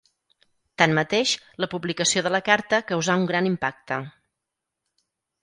Tanmateix, la publicació de la carta causà un gran impacte.